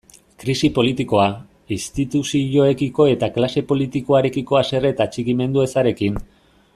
Krisi politikoa, instituzioekiko eta klase politikoarekiko haserre eta atxikimendu ezarekin.